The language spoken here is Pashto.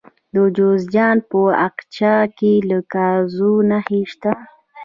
د جوزجان په اقچه کې د ګازو نښې شته.